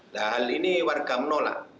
nah hal ini warga menolak